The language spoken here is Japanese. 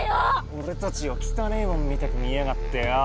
俺たちを汚ぇもんみたく見やがってよう！